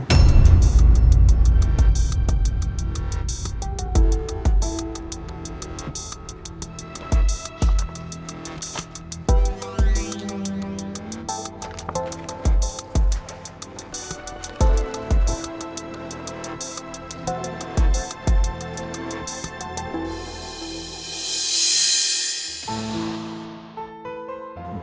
aku pasti akan menang